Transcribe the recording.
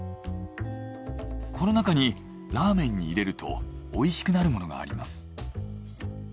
この中にラーメンに入れると美味しくなるものがあります。